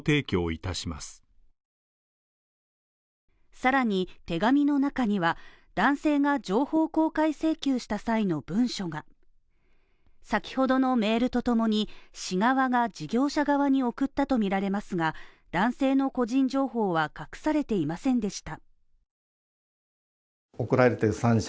さらに、手紙の中には男性が情報公開請求した際の文書が先ほどのメールと共に市側が事業者側に送ったとみられますが男性の個人情報は隠されていませんでした。